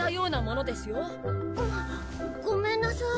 あっごめんなさい。